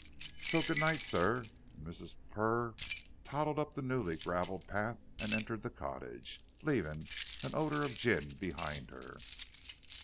So good night, sir," and Mrs. Purr toddled up the newly gravelled path, and entered the cottage, leaving an odor of gin behind her.